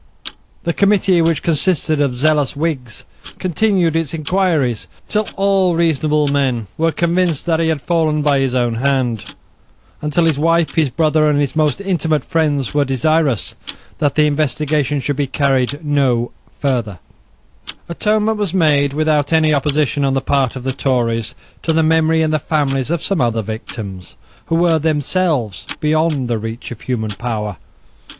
The committee, which consisted of zealous Whigs, continued its inquiries till all reasonable men were convinced that he had fallen by his own hand, and till his wife, his brother, and his most intimate friends were desirous that the investigation should be carried no further, Atonement was made, without any opposition on the part of the Tories, to the memory and the families of some other victims, who were themselves beyond the reach of human power.